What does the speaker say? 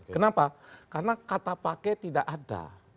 kenapa karena kata pakai tidak ada